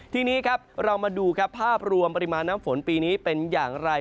ทีนี้ครับเรามาดูครับภาพรวมปริมาณน้ำฝนปีนี้เป็นอย่างไร